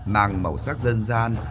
mang màu sắc dân gian